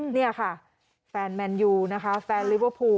นี่ค่ะแฟนแมนยูนะคะแฟนลิเวอร์พูล